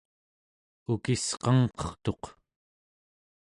ukisqangqertuq